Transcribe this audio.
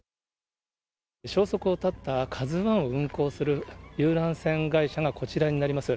消息を絶ったカズワンを運航する遊覧船会社がこちらになります。